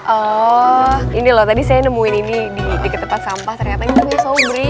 oh ini loh tadi saya nemuin ini di ketepan sampah ternyata ini punya sobri